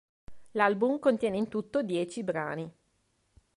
L'album contiene in tutto dieci brani.